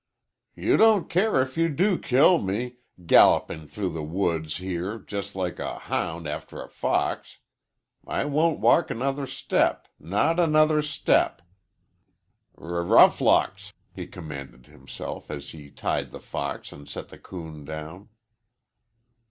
"You don't care if you do kill me gallopin' through the woods here jes' like a houn' after a fox. I won't walk another step not another step." "Rur roughlocks!" he commanded himself, as he tied the fox and set the coon down.